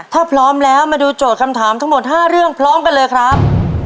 ถ้าพร้อมแล้วมาดูโจทย์คำถามทั้งหมด๕เรื่องพร้อมกันเลยครับ